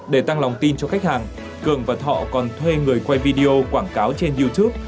để tăng lòng tin cho khách hàng cường và thọ còn thuê người quay video quảng cáo trên youtube